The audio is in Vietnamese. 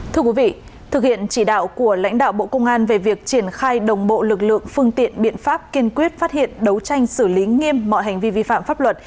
thưa quý vị thực hiện chỉ đạo của lãnh đạo bộ công an về việc triển khai đồng bộ lực lượng phương tiện biện pháp kiên quyết phát hiện đấu tranh xử lý nghiêm mọi hành vi vi phạm pháp luật